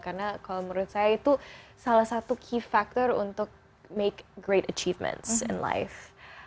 karena kalau menurut saya itu salah satu key factor untuk make great achievements in life